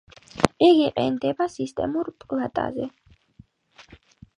იგი ყენდება სისტემურ პლატაზე.